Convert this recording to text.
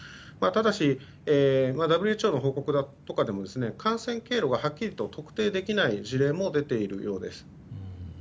ただし、ＷＨＯの報告とかでも感染経路がはっきりと特定できない事例も出ているようです。